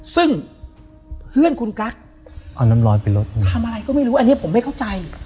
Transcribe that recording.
ซึ่งเพื่อนคุณกั๊กทำอะไรก็ไม่รู้อันนี้ผมไม่เข้าใจ